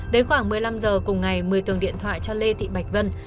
đến khoảng một mươi năm h cùng ngày mười tường điện thoại cho lê thị bạch vân